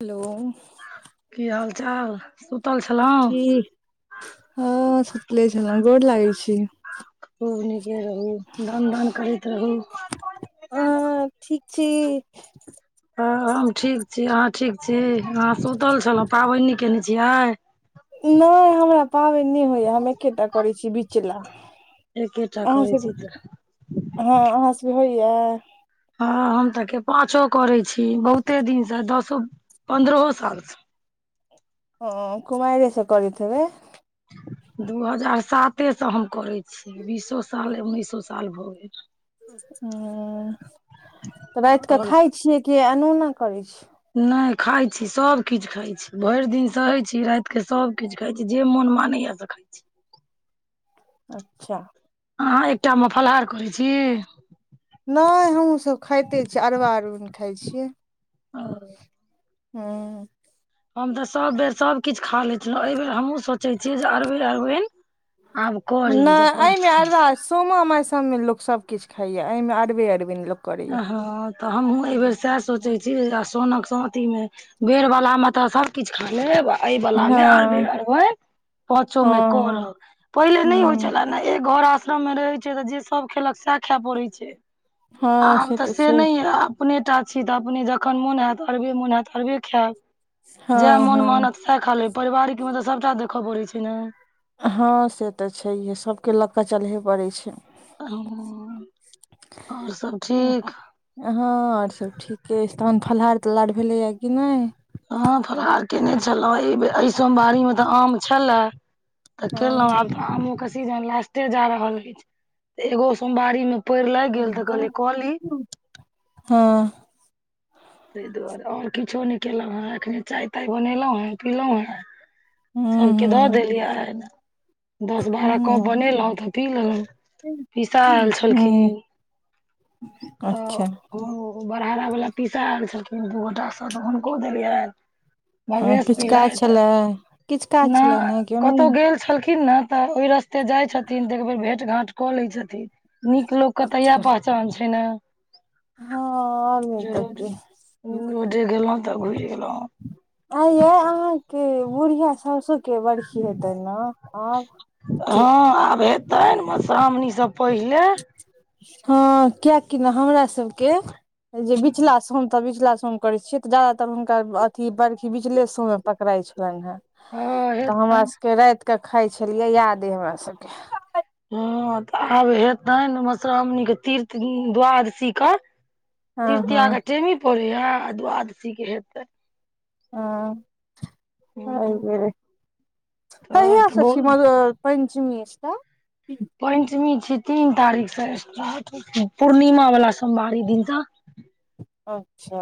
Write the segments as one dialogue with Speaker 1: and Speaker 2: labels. Speaker 1: Hello.
Speaker 2: की हालचाल? सुतल छलौं?
Speaker 1: की हँ सुतले छलौं, गोड़ लागै छी।
Speaker 2: खूब नीके रहू, धन धन करैत रहू।
Speaker 1: अहॉं ठीक छी?
Speaker 2: हँ हम ठीक छी, अहाँ ठीक छी? अहाँ सुतल छलौं, पाबैन नय केने छी आय?
Speaker 1: नैय हमरा पाबैन नैय होइयाऽ, हम एकेटा करै छी बिचला।
Speaker 2: एकेटा
Speaker 1: अहां
Speaker 2: करै छी तऽ
Speaker 1: सबके हं अहां सबके होइए
Speaker 2: हँ हम तऽ के पाचो करै छी बहुते दिनसँ दसो पन्द्रहो सालसं
Speaker 1: ओ कुमाइरे स करैत हेबै
Speaker 2: दू हजार साते स हम करै छी। बीसो साल उन्नैसो साल भऽ गेल
Speaker 1: ह तऽ राइत कऽ
Speaker 2: आओर
Speaker 1: खाय छियै कि अनुना करै छी
Speaker 2: नै खाइ छी सब किछ खाइ छी, भैर दिन सहै छी रातिके सब किछु खाइ छी जे मोन मानैया खाय छी
Speaker 1: अच्छा
Speaker 2: अहाँ एकटामे फलहार करै छी।
Speaker 1: नैय हमहूँसब खाइते छी अरबा अरबैन खाइ छियै।
Speaker 2: अ
Speaker 1: हूं
Speaker 2: हम तऽ सभ बेर सभकिछु खा लैत छलौं के बेर हमहूँ सोैचै छी जे अरबे अरबैन आब करी जे
Speaker 1: नहि
Speaker 2: अपन
Speaker 1: एहिमे अरबा सोमा मायसमे लोक सब किछ खाइया अइमे अरबे अरबैन लोक करैया
Speaker 2: अ हँ तऽ हमहूँ एहि बेेर सैह सोचै छी आ सोनक शंतिमे बेरह बाला म त सब किछ खा लेब अइबला मे
Speaker 1: हँ
Speaker 2: अरबे-अरबैन पाचो
Speaker 1: हँ
Speaker 2: में
Speaker 1: हँ
Speaker 2: करब, पहिले नइ होइ
Speaker 1: हूँ
Speaker 2: छलै। जेना एक घर आश्रम मे रहै छै तऽ जे सब खेलक सै खैय पड़ै छै। आब तऽ से नइ अइ आब अपने टा छी तऽ अपने जखन मोन हैत अरबे मोन हैत त अरबे खैब जए
Speaker 1: हँ
Speaker 2: मोन
Speaker 1: हँ
Speaker 2: मानत सैह खालेब, परिवारिकमे तऽ सबटा देखऽ पड़ै छै ने।
Speaker 1: हँ से तऽ छैहे, सभके लऽ कऽ चलहे पड़ै छै।
Speaker 2: ह ओर सब ठीक?
Speaker 1: हँ आर सब ठीके अइछ, तहन फलहार -तल्हार भेलैए कि नै
Speaker 2: हँ फलहार केने छलौं, अइबेर अइ सोमवारी मे तऽ आम छलए। तऽ केलौं
Speaker 1: हँ
Speaker 2: आब तऽ आमो के सीजन लास्टे जा रहल अइछ, एगो सोमवारी मे पइर लैग गेल तऽ कहलीयइ कली
Speaker 1: हँ
Speaker 2: तइ दुआरे ओर किछो नै केलौं हँ, एखने चाय- ताय बनेलौं हेँ पीलौं हेँ। सबके दऽ देलियैन दस -बारह कप
Speaker 1: हँ
Speaker 2: बनेलौं तऽ पी लेलौं। पीसा आयल छलखिन
Speaker 1: हँ
Speaker 2: तऽ
Speaker 1: अच्छा
Speaker 2: ओ बरहारा बला पीसा आयल छलखिन दू गोटासँ तऽ हुनको देलियैन।
Speaker 1: हँ,
Speaker 2: भवेश
Speaker 1: किछु काज
Speaker 2: पीलैत
Speaker 1: छलै किछु काज छलै
Speaker 2: नई
Speaker 1: ने कि ओनाही
Speaker 2: कतौ गेल छलखिन न तऽ ओहि रास्ते जाइ छथिन तऽ एक बेेर भेँट घांट कऽ लै छथिन। नीक लोक क तऽ एह पहचान छै ने
Speaker 1: हं और नइ त की
Speaker 2: ओ जे गेलौं तऽ घुुइर गेलौं
Speaker 1: आ ये अहाँके बुढ़िया साउसो के बरखी हेतैन न आब
Speaker 2: हँ आब हेतैन मधुश्रावणीसँ पहिले
Speaker 1: हँ कियकि न हमरा सबके जे बिचला सोम हम त बीचला सोम करै छियै तऽ ज्यातर हुनका अथी बर्खी बिचले सोम मे पकड़ाइ छलइन हैं
Speaker 2: हँ
Speaker 1: तऽ हमरा
Speaker 2: हेतनि
Speaker 1: सबके राइत कऽ खाय छलियै याद अय हमरा सबके
Speaker 2: हँ तऽ आब हेतनि मधुश्रावणीक के तीर्त द्वादशी क
Speaker 1: हँ
Speaker 2: तृतीय
Speaker 1: हँ
Speaker 2: के टेमी पड़ै ये आ द्वादशीके हेतै।
Speaker 1: हां, हर बेरे
Speaker 2: तब
Speaker 1: कहिया
Speaker 2: तऽ
Speaker 1: से छी
Speaker 2: बहुत
Speaker 1: म पञ्चमी स्टार्ट।
Speaker 2: पञ्चमी छी, तीन तारीखसे स्टार्ट पूर्णिमा वला सोमवारी दिनस
Speaker 1: अच्छा।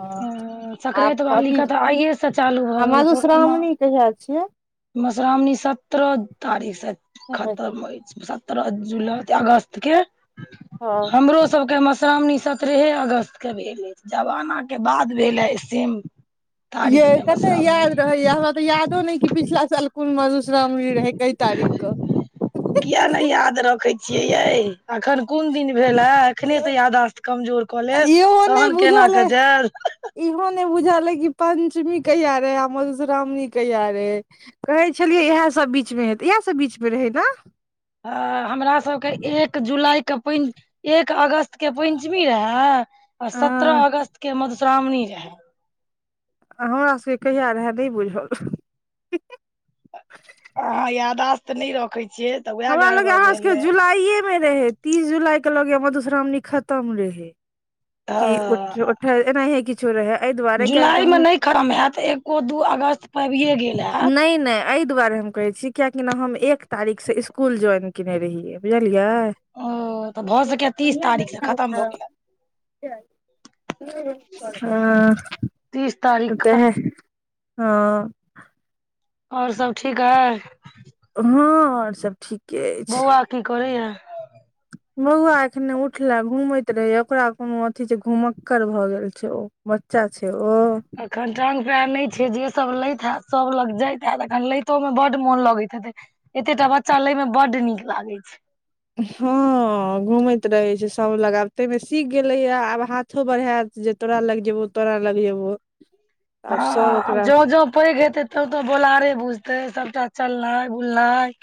Speaker 1: हां आ
Speaker 2: संक्राति वाली
Speaker 1: अथी
Speaker 2: के तऽ आइएसँ चालू भऽ
Speaker 1: आ मधुश्रामणी कहिया छियै।
Speaker 2: मधुश्रावनी सत्रह तारीख से खतम होइ छै। सत्रह जुलाई, अगस्त के
Speaker 1: हँ
Speaker 2: हमरो सबके मधुश्रामनी सत्रहे अगस्तके भेलै, जवानाके बाद भेलै सेम तारीख
Speaker 1: ये
Speaker 2: मे
Speaker 1: कते
Speaker 2: मधुश्रावणी
Speaker 1: याद रहै, ये हमरा तऽ यादो नैय कि पिछला साल कोन मधु श्रामणी रहैय कई तारीकके।
Speaker 2: कियाए नैय याद रखे छियै य अखन कुन दिन भेल हे। अखने से याददाश्त कमजोर कऽ लेब
Speaker 1: इहो नहि
Speaker 2: तहन केना
Speaker 1: बुझल
Speaker 2: के
Speaker 1: अइ
Speaker 2: जाइब
Speaker 1: इहो ने बुझल ये कि पंचमी कहिया रे आ मधुश्रावणी कहिया रे कहैय छलियै इएहसभ बीचमे हेतै इएह सभ बीचमे रहैय ने
Speaker 2: हां, हमरा सबके एक जुलाई के प एक अगस्त के पञ्चमी रहै आ सत्रह
Speaker 1: अ
Speaker 2: अगस्त के मधुश्रावणी रहैय।
Speaker 1: हमरा सबके कहिया रहै नैय बुझल
Speaker 2: अहाँ यादाश्त नैय रखैय छियै। तऽ उएह
Speaker 1: हमरा लगे
Speaker 2: गड़बड़
Speaker 1: अहाँ सबके
Speaker 2: भेलै
Speaker 1: जुलाइए मे रहे तीस जुलाई के लगे ये मधुश्रावणी खतम रहे। कि उठ उठ एना हे, किछो रहै एहि दुआर
Speaker 2: जुलाइमे नहि खरम हयैत एकको दू अगस्त पबिए गेल हयैत‌।
Speaker 1: नहि नहि एहि दुआरे हम कहै छी कियकि ने हम एक तारीखसे इसकुल ज्वाइन कने रहियै बुझलियै।
Speaker 2: ओ तऽ भऽ सकैये तीस
Speaker 1: कहिआ
Speaker 2: तारीख से
Speaker 1: गआ
Speaker 2: खतम भऽ
Speaker 1: उ
Speaker 2: गेल
Speaker 1: [unintelligible] हां।
Speaker 2: तीस
Speaker 1: म
Speaker 2: तारीख के
Speaker 1: ताहि हां
Speaker 2: और सब ठीक हइ
Speaker 1: हां और सब ठीक।
Speaker 2: बौआ कि करैया।
Speaker 1: बौआ अखने उठले घुमैत रहे ओकरा कुनु अथी छैय, घुमक्ककर भए गेल छैय ओ बच्चा छैय ओ
Speaker 2: अखन टाँग पयर नैय छैय, जे सब लैत हैत सब लग जाइत हयत एखन लैतो मे बड मोन लगैत हेतै। एते टा बच्चा लय में बड्ड नीक लागै छैय।
Speaker 1: हां घूमैत रहैय छैय सब लग आब ताहिमे सीख गेलैय आब हाथ हाथो बढ़ायत जे तोरा लग जेबो तोरा लग जेबो आब
Speaker 2: हां
Speaker 1: सब
Speaker 2: आब
Speaker 1: ओकरा
Speaker 2: जो-जो पैघ हेते तो-तो बोलारे बुझते सबटा चलनाय बुलनाइ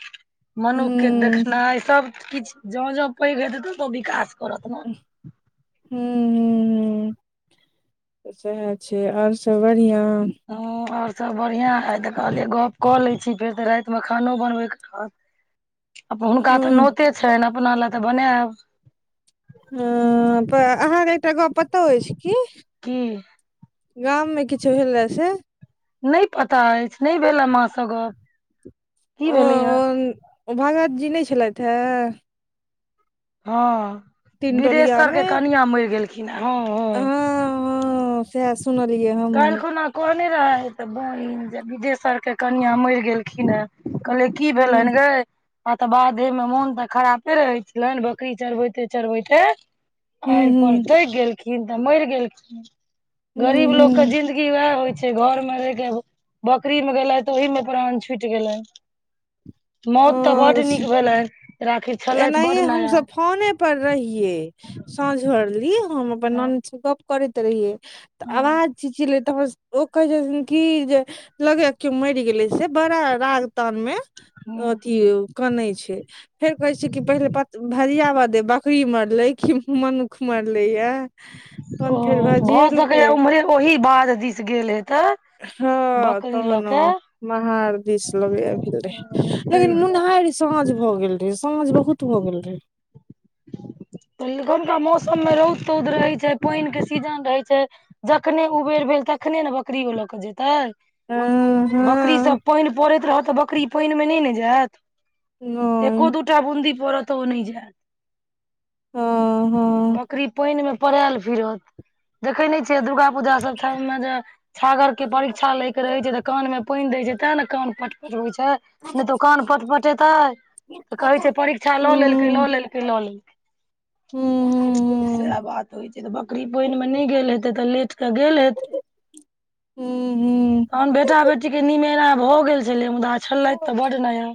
Speaker 2: मनुख के
Speaker 1: हूँ
Speaker 2: देखनाइ सब किछ जों-जों पैघ हेते तो तो विकास करत ने
Speaker 1: हूॅं हूॅं हूॅं तऽ सएह छैय आर सब बढ़िआँ
Speaker 2: हां और सब बढ़िआं है तऽ कहलियै गप कऽ लैक्य छी फेर तऽ रातिमे खानो बनबैके रहत हुनका तऽ
Speaker 1: हँ
Speaker 2: नोते छैन अपना लए तऽ बनायब
Speaker 1: हां तऽ अहाँके एकटा गप पतोह अछि की
Speaker 2: की
Speaker 1: गाममे किछु भेल रहै से?
Speaker 2: नै पता एछ नै भेल अय माँ सँ गप की भेलैया?
Speaker 1: उ-उ भगत जी नै छलैथ हय
Speaker 2: हां
Speaker 1: तीन टोलिया
Speaker 2: बिदेशर
Speaker 1: मे
Speaker 2: के कनिया मैर गेलखिन हे, हां-हां।
Speaker 1: हां साए सुनलियै ह
Speaker 2: काएल खुना कहने रहेतऽ बहिन जे बिदेसर के कनिया मैर गेलखिन अय। कहलियै की भेलैन
Speaker 1: हूँ
Speaker 2: गै। आ तऽ बाधेमे मोन तऽ खरापे रहै छलैन, बकरी चड़बैते-चड़बैते
Speaker 1: हूँ
Speaker 2: आएर पर
Speaker 1: हूँ
Speaker 2: थैक गेलखिन तऽ मैर गेलखिन,
Speaker 1: हूँ
Speaker 2: गरीब लोक
Speaker 1: हूँ
Speaker 2: की वाएह होय छै, घर मे रैह के हेबे बकरी मे गेलै तऽ ओहि मे प्राण छुट गेलै। मौत तऽ
Speaker 1: हँ
Speaker 2: बड
Speaker 1: अच्छा,
Speaker 2: नीक भेलै, राखी छलैथ बड़
Speaker 1: एनाहिए
Speaker 2: नया
Speaker 1: हमसभ फोने पर रहिये साँझ भरलि हम अपन नानी से गप करैत रहिये। तऽ अवाज चीचयेले तमस ओ कहे छथिन की जे लगैया कियाे मैर गेलै से बड़ा राग तान मे। अथी उ कानै छै। फेर कहै छै कि पेहले पत भरियाबा दे बकरी मरलै कि मनुख मरलैया।
Speaker 2: ओ भऽ सकैया उम्हरे ओहि बाध दिस गेल हेतै।
Speaker 1: हां
Speaker 2: बकरी लऽ
Speaker 1: तहन उ
Speaker 2: के
Speaker 1: नहाएर दिस लगैया भेल रहै,
Speaker 2: ताहि
Speaker 1: लेकिन
Speaker 2: दुआरे
Speaker 1: मुनहाएर साँझ भऽ गेल रहै, साँझ बहुत भऽ गेल रहै।
Speaker 2: एखुनका मौसम मे रौद-तौद रहै छै, पेएन के सीजन रहै छै। जखने उबेर भेल तखने नै बकरियो लऽ कऽ जेतै।
Speaker 1: हँ
Speaker 2: बकरी
Speaker 1: हँ
Speaker 2: सब पेएन पड़ैत रहत तऽ बकरी पेएन मे नै ने जाएत। एको
Speaker 1: नहि
Speaker 2: दूटा बुन्दी परत त उ नै जाय
Speaker 1: हँ हँ
Speaker 2: बकरी पेएन मे पड़ाएल फिरत, देखै नै छिये दुर्गा पूजा सब ठाइम मे जे छागर के परीक्षा लै के रहै छै तऽ कान में पेएन दै छै तब ने कान पट पटबै छै नै त ओ कान पटपटेतै तऽ कहै छै परीक्षा लऽ लेलकै लऽ
Speaker 1: हूँ
Speaker 2: लेलकै लऽ लेलकै।
Speaker 1: हूँ
Speaker 2: साएह बात होय छै तऽ बकरी पेएन मे नै गेल हेतै तऽ लेट त गेल हेतै।
Speaker 1: हूँ हूँ
Speaker 2: तहन बेटा-बेटी के निमेरा भऽ गेल छलै मुदा छलैथ तऽ बड नया।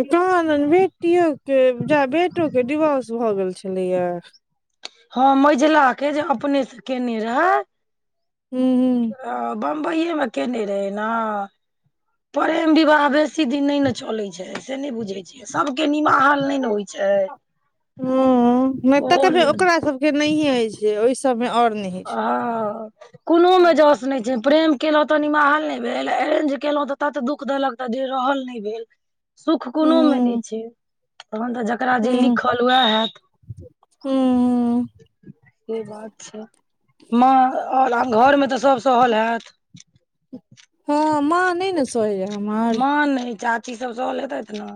Speaker 1: कहलल बेटियो के जा बेटो के डिवोर्स भऽ गेल छलैया।
Speaker 2: हां मैझला के जे अपने से केने रहै।
Speaker 1: हुं-हुं।
Speaker 2: आ बम्बेये मे केने रहै ना। परेम विवाह बेसी दिन नै ने चलै छै से नै बुझै छी। सबके निमाहल नै ने होय छै।
Speaker 1: हुं नै तऽ
Speaker 2: ओल
Speaker 1: कभी ओकरा सबके नहिये हय छै, ओय सबमे और
Speaker 2: आ। कुनो मे जस नै छै, प्रेम केलौ तऽ निमाहल नै भेल, ऐरेंज केलौ तऽ तत दुख देलक तऽ धिर रहल नै भेल। सुख कुनो मे नै
Speaker 1: हूँ
Speaker 2: छै तहन तऽ जकरा जे लिखल वैह हाएत।
Speaker 1: हुं-हुं।
Speaker 2: से बात छै, मां और आ घरमे तऽ सब सहल हैत?
Speaker 1: हां मां नै न सहैया हमर।
Speaker 2: मां नै चाची सब सहल हेतैत नै?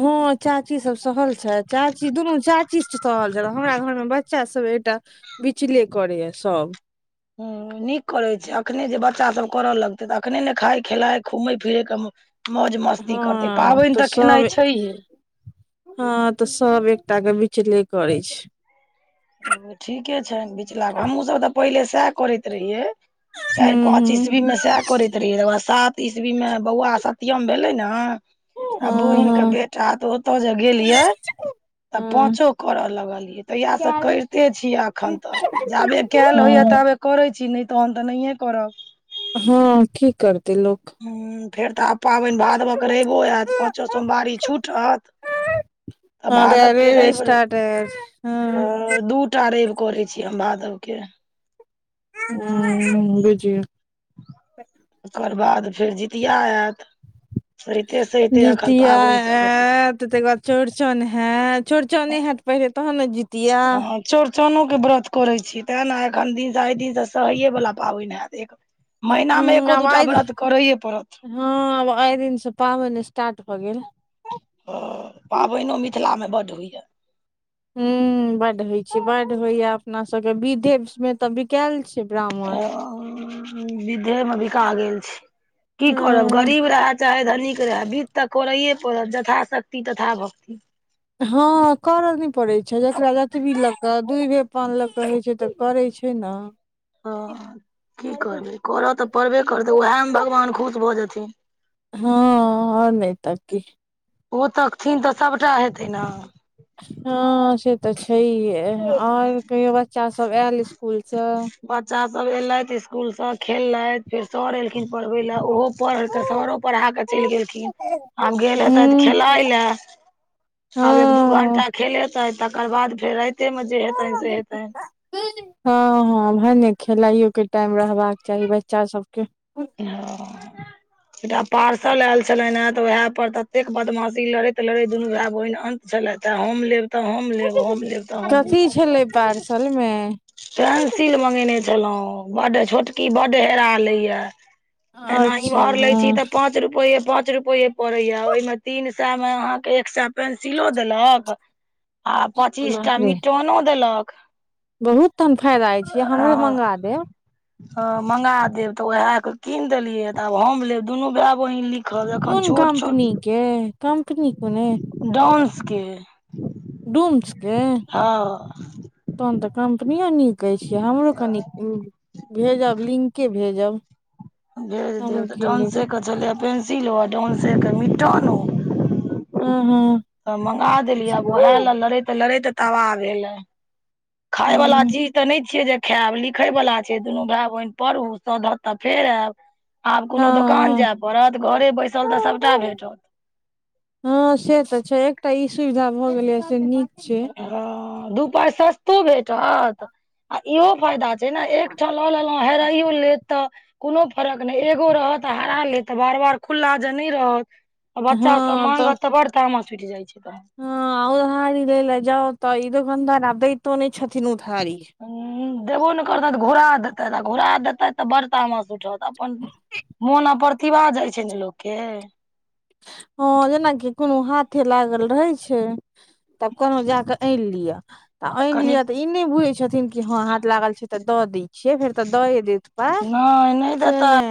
Speaker 1: हां चाची सब सहल छै, चाची दुनू चाची छै सहल हमरा घरमे बच्चा सब एकटा बिचले करय यै सब।
Speaker 2: हां नीक करै छै अखने जे बच्चा सब करा लगतै तऽ अखने नै खाय खेलाय घूमै-फिरै के म मौज मस्ती करतै,
Speaker 1: हँ
Speaker 2: पाबैन तऽ केनाइ छैहे।
Speaker 1: हां तऽ सब एकटा कै बिचले करै छै।
Speaker 2: हां ठीके छै बिचला हम्हुं सब तऽ पहिले सैह करैत रहिये। चाएर
Speaker 1: हूँ
Speaker 2: पांच
Speaker 1: हूँ
Speaker 2: ईस्वीमे सैह करैत तकर बाद सात ईस्वी मे बौआ सत्यम भेलै नै आ
Speaker 1: हँ
Speaker 2: बहिनके
Speaker 1: हँ
Speaker 2: बेटा तऽ ओता जे गेलियै तऽ
Speaker 1: हँ
Speaker 2: पांचो करऽ लागलियै तहिया सऽ‌ करते छी अखन तक जाबे कैल होइया
Speaker 1: हँ
Speaker 2: ताबे करै छी नै तहन तऽ नहिए करब।
Speaker 1: हां की करतै लोक।
Speaker 2: हुँ फेर तऽ आब पाबैन भादवाक र‌ईबो ऐत पाँचो सोमवारी छूटत अ
Speaker 1: हँ तऽ
Speaker 2: भादव के
Speaker 1: रेब
Speaker 2: र‌ईब
Speaker 1: स्टार्ट हैत
Speaker 2: अ
Speaker 1: हँ
Speaker 2: दू टा र‌ईब करै छी हम भादवके।
Speaker 1: हूँ बुझियौ।
Speaker 2: ओकर बाद फेर जितिया ऐत।
Speaker 1: जितिया
Speaker 2: पाबनि सब रहत
Speaker 1: ऐत तै के बाद चौड़चन है, चौड़चने हैत पहिले तहन नै जी
Speaker 2: आर। चौड़चनो के व्रत करै छी तेँ नै एखन दिन से आइ दिनसे सहईयै वला पाबन हैत, एक म महिनामे एको दूटा व्रत करेईयै पड़त।
Speaker 1: हां आब आय दिन से पाबैन स्टार्ट भऽ गेल।
Speaker 2: हां पाबैनो मिथिलामे बड्ड होइ यै।
Speaker 1: हूं-हूं बड होइ छै, बड होइया अपना सबके विधे मे तऽ बिकैल छी।
Speaker 2: हां। विधे मे बिका गेल छी, की करब
Speaker 1: हम्म
Speaker 2: गरीब रहे चाहे धनीक रहे विध तऽ करैए पड़त, जथाशक्ति-तथाभक्ति।
Speaker 1: हां करऽ नै पड़े छै जकरा जतबी लऽ क दूभे पान लऽ के हय छै तऽ करै छै नै। हां।
Speaker 2: हां की करबै, करऽ तऽ पड़बे करतै उहेमे भगवान खुश भऽ जेथिन।
Speaker 1: हां और नै तऽ की।
Speaker 2: ओ तकथिन तऽ सबटा हेतै नै।
Speaker 1: हां से तऽ छहिए और कहियो बच्चा सब ऐल स्कूल से।
Speaker 2: बच्चा सब एलैथ स्कूल से खेललैथ फेर सर एलखिन पढ़बे लै ओहो पढ़ कऽ सरो पढ़ा कऽ चैल गेलखिन, आब गेल हेतैथ
Speaker 1: हूं
Speaker 2: खेलाय लए। आब एक दू
Speaker 1: हँ
Speaker 2: घंटा खेलेते तकर बाद फेर राइते में जे हेतैन से हेतैन।
Speaker 1: हां-हां भने खेलाइयो के टाइम रहबाक चाही बच्चा सबके।
Speaker 2: हां एकटा पार्सल ऐल छलैन तऽ उहै पर ततेक बदमाशी लड़ैत तऽ लड़ै दुनू भाय बहिन अन्त छलैथ हम लेब तऽ हम लेब, हम लेब तऽ हम लेब।
Speaker 1: [unintelligible] पार्सल मे
Speaker 2: पेंसिल मंगेने छलौ बड्ड छोटकी बड्ड हेरा लैय। एना
Speaker 1: अच्छा
Speaker 2: इम्हर लै छी
Speaker 1: हँ
Speaker 2: तऽ पाँच पांच रुपये पांच रुपये पड़ैया ओहिमें तीन सय में अहाँ के एक सय पेंसिलो देलक। आ पच्चीसटा
Speaker 1: बाप रे
Speaker 2: मिटोनो देलक।
Speaker 1: बहुत तहन फायदा अछि ए हमरो
Speaker 2: आ
Speaker 1: मंगा देब।
Speaker 2: हँ मँंगा देब तऽ उएहके कीन देलियै तऽ आब हम लेब दुनू भाय बहिन लिख
Speaker 1: कोन कम्पनी के कम्पनी कोन अइ?
Speaker 2: स्के
Speaker 1: डुम्स के
Speaker 2: हँ
Speaker 1: तहन तऽ कम्पनिय नीक अछि। हमरो कनि भेजब लिंके भेजब।
Speaker 2: भेज देब
Speaker 1: हमहूँ
Speaker 2: त
Speaker 1: कीन लेब
Speaker 2: डॉन्से के छलैया पेंसिलो आ डाॅन्से के मिटानो।
Speaker 1: हू हू।
Speaker 2: तऽ मंगा देलियै आब उएह लए लड़ैत-लड़ैत तबाह भेलअइ। खायवला
Speaker 1: हूँ
Speaker 2: चीज तऽ नहि छियै जे खायब लिखै वला छै दुनू भाय बहिन पढु सधत तऽ फेर आयब। आब कोनो दोकान
Speaker 1: हँ
Speaker 2: जाय पड़त घरे बैसल तऽ सबटा भेटत।
Speaker 1: हँ से तऽ छै एकटा ई सुविधा भऽ गेलैया से नीक छै।
Speaker 2: ह दु पाय सस्तो भेटत आ इहो फायदा छै ने एकठाम लऽ लेलो। ह हेराइयो लेत तऽ कोनो फरक नहि एगो रहत आ हरा लेत त बार-बार खुल्ला जे नहि रहत। बच्चा सब मांगत तऽ बड़ तामस उठि जाइ छै त।
Speaker 1: हँ उधारी लै लए जाउ तऽ ई दोकानदार आब दैतो नहि छथिन उधारी।
Speaker 2: ह्म देबो ने करतैथ घुरा देतैथ आ घुरा देतैथ तऽ बर तामस उठत। अपन मोन अप्रतिबा जाइ छै ने लोकके।
Speaker 1: हँ जेनाकि कोनो हाथे लागल रहै छै। तब कोनो जाकऽ अइन लिअ। त अइन
Speaker 2: कनिक
Speaker 1: लिअ तऽ ई नहि बुझै छथिन कि हँ हाथ लागल छै त दऽ दी। से फेर तऽ द‌ए देत पाय
Speaker 2: नहि नहि
Speaker 1: से
Speaker 2: देतै
Speaker 1: नै।